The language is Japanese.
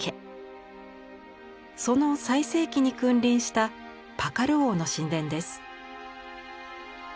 その最盛期に君臨したパカル王の神殿です。